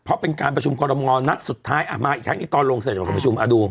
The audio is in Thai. เพราะเป็นการประชุมกรมงานนัดสุดท้ายอ่ะมาอีกครั้งนี้ตอนลงเสร็จของประชุมอ่ะดู